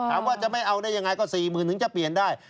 ถามว่าจะไม่เอาได้ยังไงก็๔๐๐๐ถึงจะเปลี่ยนได้